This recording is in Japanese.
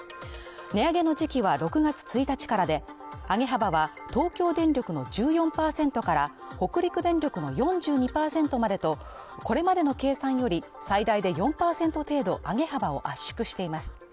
値上げの時期は６月１日からで、上げ幅は東京電力の１４％から北陸電力の４２％までとこれまでの計算より、最大で４％程度上げ幅を圧縮しています。